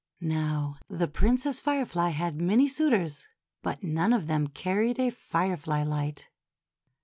Now, the Princess Firefly had many suitors, but none of them carried a firefly light.